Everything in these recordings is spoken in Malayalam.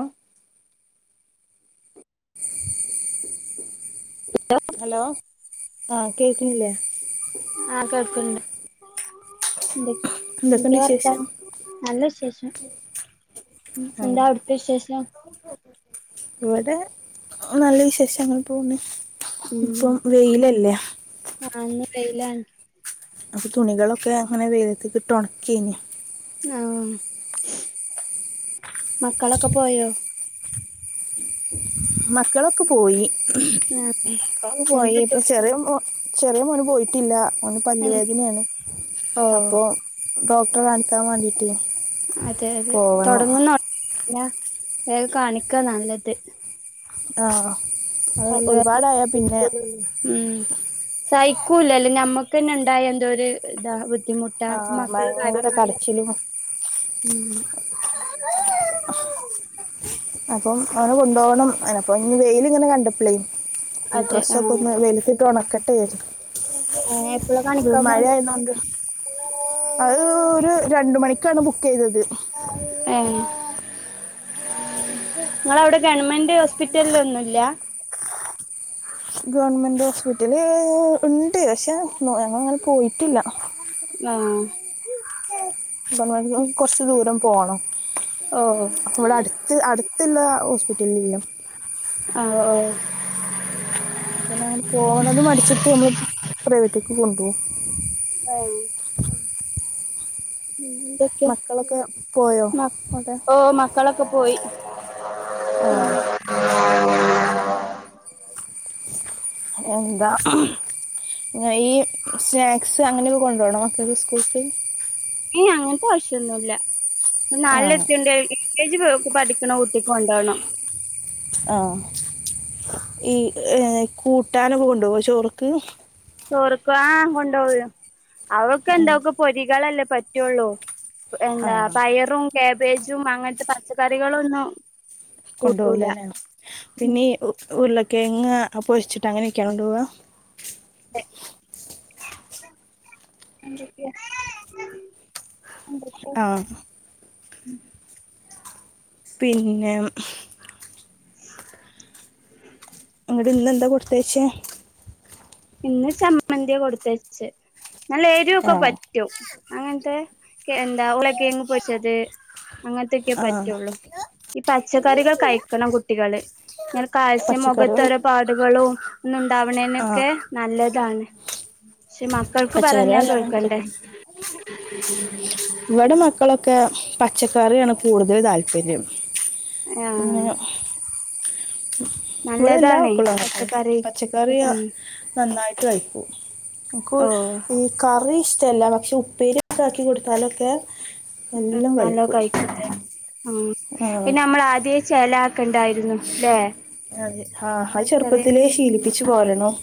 ഓ [inaudible] ഹലോ ആ കേൾക്കുന്നില്ലേ ആ കേക്കണ്ട് എന്തൊക്കെണ്ട് വിശേഷം [unintelligible] ശേഷം ഉം ആഹ് എന്താ അവിടുത്തെ വിശേഷം ഇവിടെ നല്ല വിശേഷങ്ങൾ പോന്നു ഉം ഇപ്പം വെയിലല്ലേ തൈലാങ്കി അപ്പൊ തുണികളൊക്കെ അങ്ങനെ വെയിലത്തിട്ടുണക്കി കയിഞ്ഞു ആ മക്കളൊക്കെ പോയോ മക്കളൊക്ക പോയി ആഹ് അവൻ പോയി എന്താ ഇപ്പൊ ജോലി ചെറിയ മോ ചെറിയ മോന് പോയിട്ടില്ല. അവന് എൻ പല്ലുവേദനയാണ് ഓഹ് അപ്പോ ഡോക്ടറെ കാണിക്കാൻ വേണ്ടിയിട്ട് അതെ അതെ തുടങ്ങുന്ന പിന്ന ഏ കാണിക്കാ നല്ലത് ആ അല്ല [unintelligible] ഉം സയിക്കൂല്ല അല്ലെങ്കിൽ നമ്മക്ക് തന്നെ ണ്ടായ എന്തോ ഒരിതാ ബുദ് ബുദ്ധിമുട്ടാ ആഹ് മക്കള് കാര്യം ഭയങ്കര പറയു കടച്ചിലും [inaudible] അപ്പം അവനെ കൊണ്ടുപോണം അപ്പൊ ഇ വെയില് ഇങ്ങനെ കണ്ടപ്പളേ ഈ അതെ ഡ്രസ്സൊക്കെ ആഹ് ഒന്ന് വെയില ത്തിട്ട് ഉണക്കട്ടെ ഏഹ് എപ്പളാ ഒരു കാണിക്കാൻ മഴ പോണ് ആയതൊണ്ട് അത് ഒരു രണ്ട് മണി ഇക്കാണ് ബുക്ക്‌ ചെയ്തത് എ നിങ്ങളവിടെ ഗവൺമെന്റ് ഹോസ്പിറ്റലില് ഒന്നുമില്ല ഗവൺമെന്റ് ഹോസ്പിറ്റ ല് ഉണ്ട് പക്ഷെ ഞങ്ങളങ്ങനെ പോയിട്ടില്ല. ആഹ് പോണം ഓ അപ്പ ഇവിടെ അടുത്ത് അടുത്തുള്ള ഹോസ്പിറ്റലിലല്ല ആഹ് ഓ [unintelligible] അങ്ങനെ പോവണത് മടിച്ചിട്ട് നമ്മ പ്രൈവട്ട കൊണ്ടോം ആ എതൊക്കെ മക്കളൊക്കെ പോയോ ഓ മക്കളൊക്കെ പോയി ഓ ആ എന്താ ഈ സ്നാക്സ് അങ്ങനെയൊക്കെ കൊണ്ടുപോണം മക്കെ സ്കൂൾസി എ അങ്ങനെതത്താശ്യൊന്നൂല്ല ആ [unintelligible] കെജി പഠിക്കണ ഊട്ടിക്ക് കൊണ്ടോണോ ആ ഈ ഏ കൂ ട്ടാനൊകെ കൊണ്ടുപോവോ ചോറ്‌ക്ക് ചോറുക്കോ ആ കൊണ്ട് [unintelligible] അവൾക്ക് ഉം. എന്തോക്കൊ പൊരികളെല്ല പറ്റുള്ളൂ ആ എന്താ പയറും കാബേജു ജും അങ്ങനത്തെ പച്ചക്കറികളൊന്നും കൂട്ടൂല കൊണ്ടപോകലന്നെണ് പിന്നെ ഉ ഉരുളകിഴങ്ങ് അപ്പോ വച്ചിട്ട് അങ്ങനെയൊക്കെയാ കൊണ്ട് പോവ? [inaudible] ആഹ് ഉം പിന്നെ അങ്ങടെ ഇന്ന് എന്താ കൊടുത്തേച്ചേ? ഇന്ന് ചമ്മന്തി കൊടുത്തയച്ച്. നല്ല ആ എരിവൊക്കെ പറ്റും അങ്ങനത്തെ എന്താ ഉരുളകിഴങ്ങ് പൊരിച്ചത്, അങ്ങൻത്തൊക്കെ ആ പറ്റൊള്ളു ഞാൻ കാൽസ്യ പച്ചക്കറികൾ മുഖതോരോ പാടുകളും ഒന്നും ഉണ്ടാവണേനൊക്കെ നല്ലതാണ് പക്ഷെ മക്കൾക്ക് പച്ചക്കറികള് പറഞ്ഞാ നല്ലോണം കേൾക്കണ്ടേ കൊടുക്കണം ഇവിടെ മക്കളൊക്കെ പച്ചക്കറിയാണ് കൂടുതൽ താല്പര്യം ആഹ് ഇങ്ങനെ ഇവിടെ എല്ലാ നല്ലതാണേ മക്കള പച്ചക്കറി പച്ചക്കറിയ ഉം നന്നായി ത്ളായിപൂ കൊ ഓ കോഴി ഈ കറി ഇഷ്ടല്ല പക്ഷേ ഉപ്പേരി ഒക്കെ ആക്കി കൊട്ത്താലൊക്കെ നല്ലോം കഴിക്കുലേ മൂ ആ പിന്നെ നമ്മൾ ആദ്യേ ചേലാ അതെ ആ നമ്മൾ അത് ചെറിയ ചെറുപ്പത്തിലേ ശീലിപ്പിച്ച് പോരണം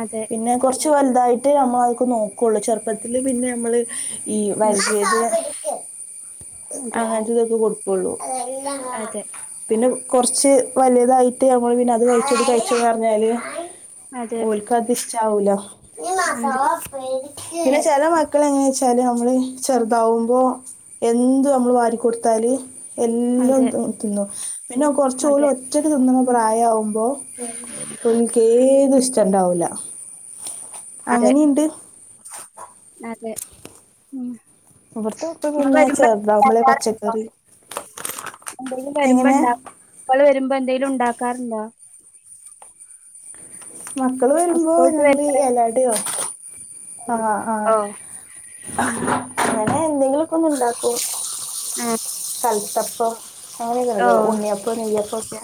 അതെ പിന്നെ കൊർ കൊർച്ച് വൽതായിട്ടേ നമ്മൾ നോക്കൊള്ളൂ ചെർപ്പത്തിൽ പിന്നെ നമ്മള് ഈ ഉം വര്കിയത് ആ അതെ അതുവരെ കൊടു കോളു അ അതെ പിന്നെ കൊർച്ച് വൽതായിട്ട് നമ്മൾ പിന്നെ അത് കഴിച്ചിത് കഴിച്ച്ന്ന് പറഞ്ഞാല് അതെ ഓൽക്കതിഷ്ടാവൂല അതെ പിന്നെ ചെല മക്കൾ എങ്ങനേച്ചാല് നമ്മള് ചെറുതാവുമ്പോ എന്ത് നമ്മള് വാരി കൊടുത്താലും- എല്ലോം അതെ തിന് തിന്നു പിന്നെ കൊർച്ച് ഓൾ അതെ ഒറ്റക്ക് തിന്ന്ണ പ്രായാവുമ്പോ പുളിക്ക് ഏത് ഇഷ്ട ഇഷ്ടണ്ടാവൂല അതെ അങ്ങനിണ്ട് അതെ ഉം ഇവിടുത്തെ മക്കൾ പിന്നെ ചെറുതാവുമ്പോളെ വരുമ്പോണ്ടാകാറുണ്ടോ പച്ചക്കറി എന്തേലും എങ്ങനെ വരുമ്പോണ്ട മക്കാള് വരുമ്പോ എന്തേലും ഉണ്ടാക്കാറുണ്ടോ മക്കള് വരുമ്പോ സ്കൂൾട്ട് ഞങ്ങള് വരുമ്പളെ എലടയോ ആ ആ ഓ അങ്ങനെ എന്തെങ്കിലും പെട്ടന്ന് ഉണ്ടാക്കൊ ആ ഊത്തപ്പം അങ്ങനെയൊക്കെ ഓ ഉണ്ടോ ഉണ്ണിയപ്പ നെയ്യപ്പ ഒക്കെ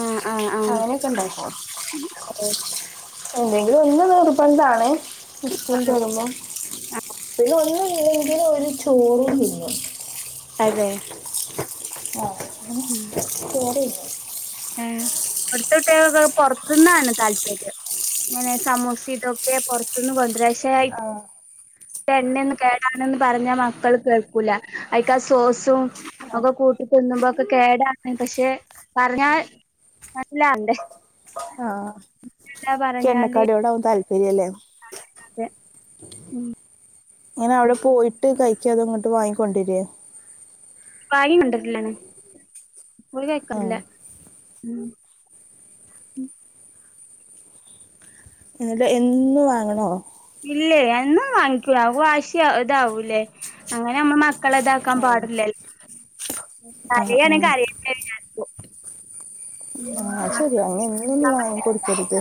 ആ ആ ആ അങ്ങനെയൊക്കെ ഉണ്ടാക്കോ ഓ എന്തെങ്കിലും ഒന്ന് നിർബന്ധാണ് ആ, ഇസ്കൂൾട്ട് വരുമ്പം ആ. പിന്നെ ഒന്ന് ഇല്ലങ്കിലും ഓൾ ചോർ തിന്നും അതെ ആ പിന്നെ [unintelligible] ഇവിടത്തെ പുറത്തുന്നാണ് താല്പര്യം ഇങ്ങനെ സമോസ ഇതൊക്കെ പുറത്തുന്ന് കൊണ്ടരാ ഇഷ് ആഹ് എണ്ണെന്നും കേടാണെന്ന് പറഞ്ഞ മക്കള് കേൾക്കൂല. അയിക്ക് ആ സോസും. ഒക്കെ കൂട്ടി തിന്നുമ്പോക്കെ കേടാ പശേ പർഞ്ഞാൽ [unintelligible] ആഹ ഇക്ക് എണ്ണ പറഞ്ഞാല് കടിയോട് ചെയ്യല്ലേ [inaudible] ഇങ്ങനെ അവ്ടെ പോയിട്ട് കഴിക്കാ അതോ ഇങ്ങട്ട് വാങ്ങി കൊണ്ടരേ? വാങ്ങി കൊണ്ടര്ലാണ്. പോയി ആ കയ്ക്കല്ല. ഉം ഉം [unintelligible] എന്നും വാങ്ങണോ? ഇല്ലേ എന്നും വാങ്ങിക്കുല്ല. അപ്പൊ വാശി ഇതാവൂല്ലേ. അങ്ങനെ മ്മള് മ ക്കളെ ഇതാക്കാൻ ആ പാട്ല്ല ആ ആ. കരയാണെങ്കി കരയട്ടെ വിചാര്ക്കും. ആ ശരി അങ്ങനെ എന്നൊന്നും വാങ്ങിക്കൊടുക്കരുത്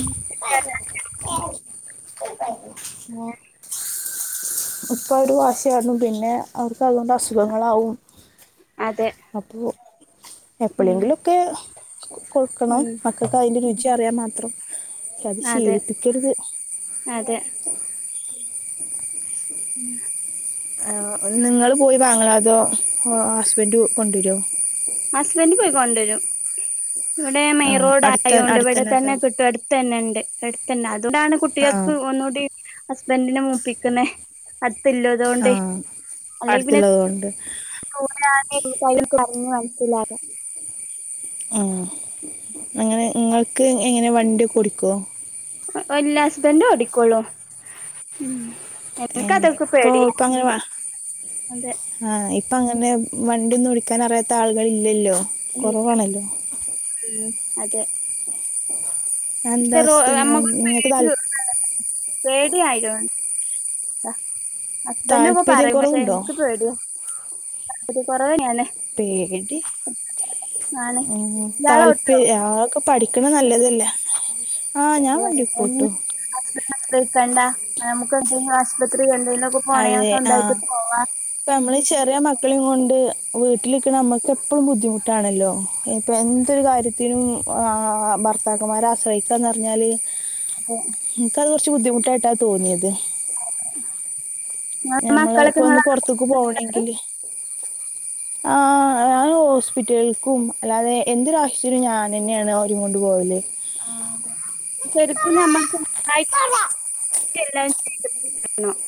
[inaudible] ഉം ഇപ്പോ ഒരു വാശി ആരുന്നു പിന്നെ അവർ ക്ക് അതുകൊണ്ട് അസുഖങ്ങളാവും അതെ അപ്പോ ഉം എപ്പോഴെങ്കിലു ഓക്കെ കൊടുക്കണം ഉം മക്കക്ക് അതിന്റെ രുചി അറിയാൻ മാത്രം അത് അതെ ശിലിപ്പിക്കരുത്. അതെ [unintelligible] ആ നിങ്ങള് പോയി വാങ്ങല അതോ ആ ഹസ്ബൻഡ് കൊണ്ടുരുവൊ? ഹസ്ബൻഡ് പോയി കൊണ്ടുവരും. ഇവിടെ ആ മെയി റോഡ് അടുത്ത ആയതോണ്ട് ഇവിടെ അടുത്തന്നെ ഉണ്ടോ തന്നെ കിട്ടും അടുത്ത് തന്നെ ഇ എടുത്തന്ന അ അതുകൊണ്ടണ് ആ കുട്ടികക്ക് ഒന്നുകൂടി ആ [unintelligible] [unintelligible] ആ അടുത്തല്ലതൊണ്ട് അല്ലെ പിന്നെ അടുത്തുള്ളത് കൊണ്ട് [unintelligible] ആ അങ്ങനെ നിങ്ങക്ക് എങ്ങന വണ്ടിഓക്കെ ഓടിക്കോ? എല്ല ഹസ്ബന്ടെ ഓടിക്കോളൂ. ഉം ആ ഇപ്പൊ ഇപ്പങ്ങനെ വാ അതെ ആഹ ഇ പ്പങ്ങനെ വണ്ടിയൊന്നും ഓടിക്കാൻ അറിയാത്ത ആളുകൾ ഇല്ലല്ലോ. കോറവാണല്ലോ ഉം അതെ എന്താ പക്ഷെ റോ നമ്മക്കൊരു ഇങ്ങട്ട് താൽ പേടി അ ഹസ്ബന്റ് ഒക്കെ പറയും പക്ഷെ താല്പര്യക്കുറവുണ്ടോ ഇൻക്ക് പേടിയാ അത് കൊറവന്നെണ് പേടി ആണ് ഉം ഇയാള് ഓട്ടോ താല്പര്യ ആക്കെ പഠി [unintelligible] നല്ലതല്ല അതെ [unintelligible] ആശ്രയിക്കണ്ട [unintelligible] അതെ ആ സ്വന്തമായിട്ട് പോവാ ഇപ്പ നമ്മള് ചെറിയ മക്കളെ കൊണ്ട് വീട്ടിലിക്കണ നമ്മക്ക് എപ്പോഴും ബുദ്ധിമുട്ടാണല്ലോ ഇപ്പൊ എന്തൊരു കാര്യത്തിനും ആഹ് ഭർത്താക്കന്മാരെ ആശ്രയിക്കാന്ന് പറഞ്ഞാല് നിനക്കെന്തെ കുറച്ച് ബുദ്ധിമുട്ടായിട്ടാ തോന്നിയത് നിങ്ങളെ നമ്മള് മക്കളൊക്കെ ഇപ്പൊ ഒന്ന് നിങ്ങളെ പൊറത്തേക്ക് പോവണെങ്കില് ആ ഞാൻ ഹോസ്പിറ്റലേക്കും, അല്ലാതെ എന്തൊരു ആവശ്യത്തിന് ഞാൻ തന്നെയാണ് അവരെ കൊണ്ട് പോവല്. ആഹ് തെരക്ക് ഞമ്മക്ക് [unintelligible] [unintelligible]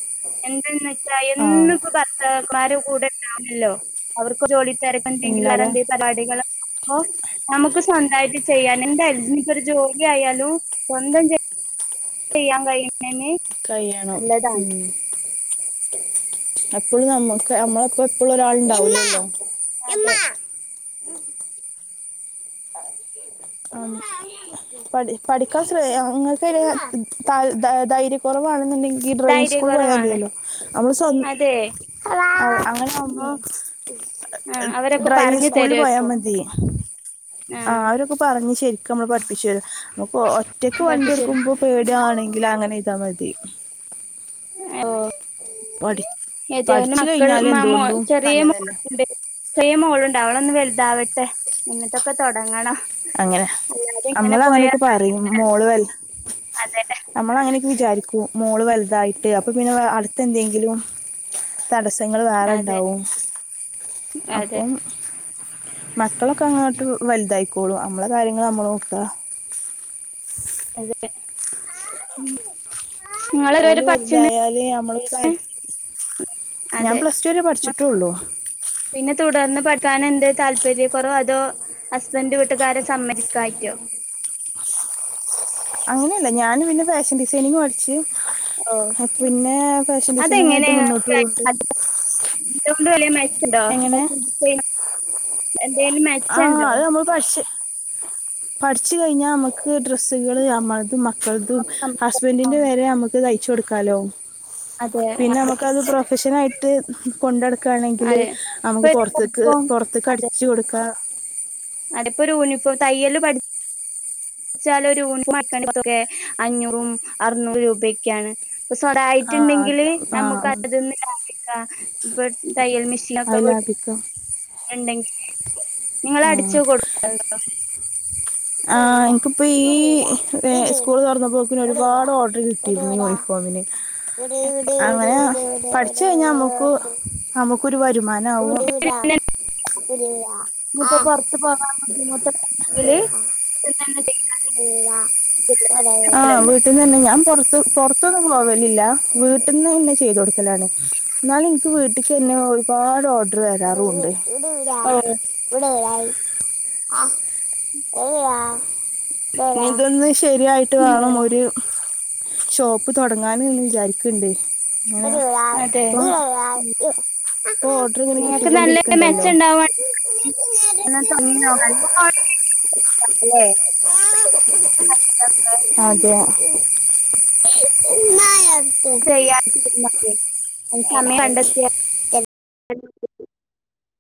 എന്തന്ന് ദാ എന്നും ആഹ് ഇപ്പം ഭർത്താക്ക മ്മാര് കൂടെ ഉണ്ടാവണം ഇല്ലല്ലോ? അവർക്ക് ജോലി തിരക്ക എന്തെങ്കിലും ഇല്ലാതെ വേറേ പരിപാടികൾ നമുക്ക് സ്വന്തമായിട്ട് ചെയ്യാന എന്താ [unintelligible] ഒരു ജോലിയ ആയാലും സ്വന്തം ചെയ്യ ങ്കയ് കഴിയണം ഉം അപ്പോഴും നമ്മുക്ക് നമ്മളപ്പ എപ്പോഴും ഒരാൾുണ്ടാവലല്ലോ അതെ ഉം ആ പഠ പഠിക്കാൻ ശ അങ്ങ [unintelligible] ത ധൈര്യ കുറവാണെന്നുണ്ടെങ്കി ഡ്രൈവിങ് സ്കൂള പോയാൽ ധൈര്യകുറവാണ് മതിയല്ലോ നമ്മള് സ്വ അതെ അങ്ങനെ ആവുമ്പോ ഉം ആ അവരൊക്കെ ഡ്രൈവിങ് പറഞ്ഞു സ്കൂളിൽ പോയാ തരുവായിരിക്കും മതി ആ ആഹ് അവരൊക്കെ പറഞ്ഞു ശരി കമള പ [unintelligible] ഒറ്റക്ക് വണ്ടി പഠിപ്പിച്ചു എടുക്കുമ്പോ പേടുകയാണെങ്കിൽ അങ്ങനെ ചെയ്താൽ മതി ഇത ആഹ് [unintelligible] തും പഠിച്ചു മക്കൾ കഴിഞ്ഞാൽ മോ എന്തുകൊണ്ടും ചെറിയ നല്ലതല്ലേ മോുണ്ട് സെയിം മോൾുണ്ട് അവിടെ ഒന്ന് വലുതാവെ മെ നിങ്ങട്ടൊക്കെ തുൊങ്ങണം അങ്ങനെ അമ്മള് അങ്ങനൊക്കെ പറിം കഴിയൂല മോള് വൽ അതെ അമ്മള അങ്ങനൊക്കെ വിചാരിക്കും മോള് വലുതായിട്ട് ട്ട് അപ്പൊ പിന്നെ അടുത്ത് എന്തെങ്കിലും തടസ്സെങ്ങൾ വേറെ അതെ ഇണ്ടാവും അതെ അപ്പം മക്കളൊക്കെ അങ്ങോട്ട് വല്തായിക്കും ഓളു അമ്മളെ കാര്യങ്ങള് അമ്മളോക്കാ ഉം ഓല് വെറുതായല് ഞമ്മള് ഞാൻ അതെ പ്ലസ് ടു വരെ പഠിച്ച്ട്ട് ട്ടുള്ളൂ പിന്നെ തുടർന്ന് പഠിക്കാനെ ന്തെ താല്പര്യക്കൊറവോ അതോ ഹസ്ബൻഡ് വീട്ടുകാരെ സമ്മരിക്കായ്ട്ടോ അങ്ങനെയല്ല ഞാന് പിന്നെ ഫാഷൻ ഡിസൈനിങ് പഠിച്ച് ഓ ആഹ് പിന്നെ ഫാഷൻ അതെങ്ങനെ ഡിസൈനങ്ങയിട്ട് മുന്നോട്ട് പോയിണ്ട് വെലയുന്നായ് ന്താ ആ അത് നമ്മൾ പട്ച്ച് പഠിച്ചു കഴിഞ്ഞാൽ നമുക്ക് ഡ്രസ്സുകള് നമ്മൾത് കൾതും ഹസ്ബൻഡിന്റെ വരെ നമക്ക് തയ്ച്ചു കൊടുക്കും ഹലോ അതെ പിന്നെ നമക്കത് അതെ പ്രൊഫഷനായിട്ട് കൊണ്ടനടക്കണെങ്കില് അതെ ഇപ്പൊ നമുക്ക് ഒരു പുറത്തേക്ക് യൂണിഫോം പുറത്തേക്ക് അതെ അടിച്ച കൊടുക്കാം അതിപ്പോ ഒരു യൂണിഫോം തയ്യല് പഠി ച്ചൊലൊക്കെ യൂണിഫോം അഞ്ഞൂറും അറുന്നൂറും രൂപക്കാണ് ഇപ്പൊ ആ അത് സ്വന്തായിട്ടുണ്ടെങ്കില് ആ നമ്മുക്ക് അതീന്ന് ലാഭിക്കാം ഇപ്പൊ തയ്യൽ മെഷീനൊക്കെ അത് ലാഭിക്കാം വീട്ടിണ്ടെങ്കിൽ നിങ്ങള് ആ അടിച്ചു കൊടുക്കണ്ടോ ആ എൻക്കിപ്പോ ഈ സ്കൂൾ തുറന്നപ്പോക്കിന് ഒരുപാട് ഓർഡർ കിട്ടിയിരുന്നു യൂണിഫോമിന് അങ്ങനെ പഠിച്ച കഴിഞ്ഞാ ന നമുക്കരുവരു രുമാന ആവു ഇനിയിപ്പോ പുറത്ത് പോകാൻ ബുദ്ധിമുട്ടുണ്ടെങ്കില് ആ ല്ലോ വീട്ടിന്നെന്നേ ഞാൻ പോ പുറത്തൊന്നും പോവലില്ല വീട്ടിന്ന് ന്നെ ചെയ്ത കൊടുക്കും ന്നാല് ഇൻക്ക് വീട്ടിക്കെന്നെ ഒരുപാട് ഓർഡർ വരാറുമുണ്ട് ഓ [unintelligible] ആ ഇതൊന്ന് ശരി രിയായിട്ട് വാണും ഒരു ഷോപ്പ് തുടങ്ങാന് എന്ന് വിചാരിക്ക്ണ്ട് അതെ [unintelligible] നിങ്ങക്ക് നല്ല മെച്ച ഇണ്ടാവാ ഇല്ലേ [unintelligible] [unintelligible] [unintelligible] സമയം കണ്ടെത്തിയാ [unintelligible]